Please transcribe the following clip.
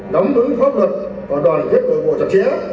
nóng vững pháp luật và đoàn kết đội bộ trật trẻ